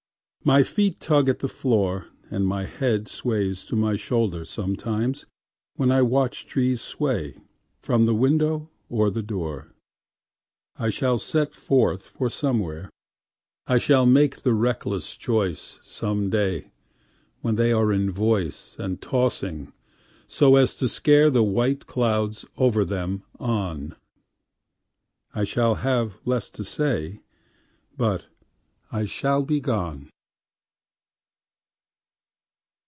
My feet tug at the floorAnd my head sways to my shoulderSometimes when I watch trees sway, From the window or the door.I shall set forth for somewhere,I shall make the reckless choiceSome day when they are in voiceAnd tossing so as to scareThe white clouds over them on.I shall have less to say, But I shall be gone.